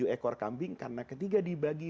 tujuh ekor kambing karena ketiga dibagi